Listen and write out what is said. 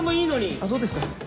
あそうですか。